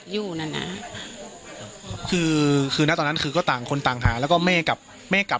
ปกติพี่สาวเราเนี่ยครับเป็นคนเชี่ยวชาญในเส้นทางป่าทางนี้อยู่แล้วหรือเปล่าครับ